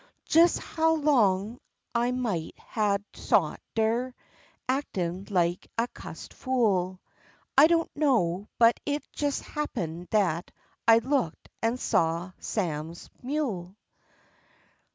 Jes how long I might ha' sot der, actin' like a cussed fool, I don't know, but it jes happen'd dat I look'd an' saw Sam's mule.